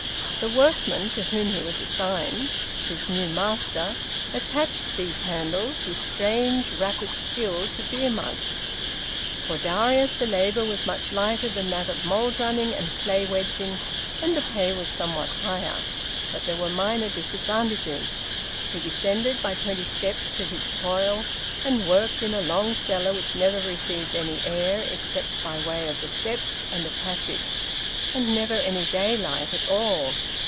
The workman to whom he was assigned, his new `master,' attached these handles, with strange rapid skill, to beer mugs. For Darius the labour was much lighter than that of mould running and clay wedging, and the pay was somewhat higher. But there were minor disadvantages. He descended by twenty steps to his toil, and worked in a long cellar which never received any air except by way of the steps and a passage, and never any daylight at all.